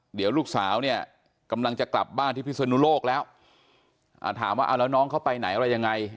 เดี๋ยวลูกสาวเนี่ยกำลังจะกลับบ้านที่พิศนุโลกแล้วถามว่าเอาแล้วน้องเขาไปไหนอะไรยังไง